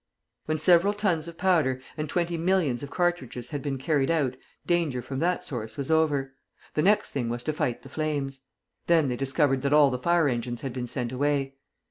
When several tons of powder and twenty millions of cartridges had been carried out, danger from that source was over. The next thing was to fight the flames. Then they discovered that all the fire engines had been sent away.